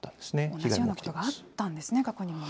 同じようなことがあったんですね、過去にもね。